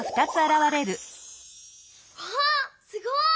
わっすごい！